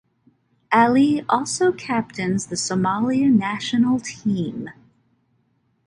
Ali also captains the Somalia national team.